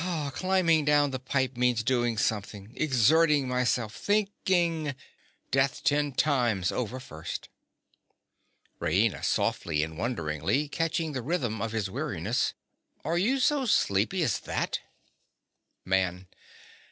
Climbing down the pipe means doing something—exerting myself—thinking! Death ten times over first. RAINA. (softly and wonderingly, catching the rhythm of his weariness). Are you so sleepy as that? MAN.